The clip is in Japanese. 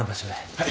はい。